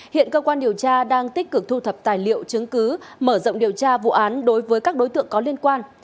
hiện cơ quan điều tra đang tích cực thu thập tài liệu chứng cứ mở rộng điều tra vụ án đối với các đối tượng có liên quan